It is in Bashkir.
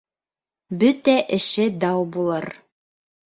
Бөтә эше дау булыр.